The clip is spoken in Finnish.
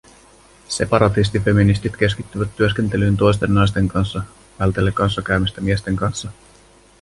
Separatistifeministit keskittyvät työskentelyyn toisten naisten kanssa vältellen kanssakäymistä miesten kanssa